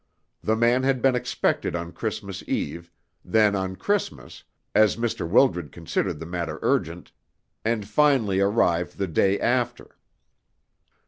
The man had been expected on Christmas Eve, then on Christmas, as Mr. Wildred considered the matter urgent, and finally arrived the day after.